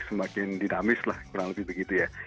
semakin dinamis lah kurang lebih begitu ya